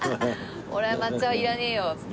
俺は抹茶はいらねえよっつって。